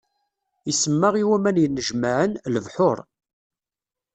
Isemma i waman yennejmaɛen: lebḥuṛ.